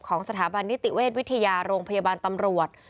สถาบันนิติเวชวิทยาโรงพยาบาลตำรวจ